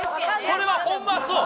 それはホンマそう！